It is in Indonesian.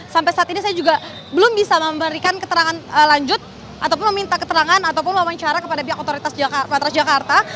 sampai saat ini saya juga belum bisa memberikan keterangan lanjut ataupun meminta keterangan ataupun wawancara kepada pihak otoritas jakarta